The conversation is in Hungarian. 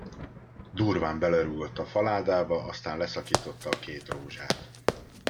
Durván belerúgott a faládába, aztán leszakította a két rózsát.